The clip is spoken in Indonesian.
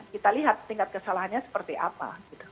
kita lihat tingkat kesalahannya seperti apa